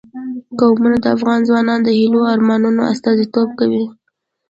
قومونه د افغان ځوانانو د هیلو او ارمانونو استازیتوب کوي.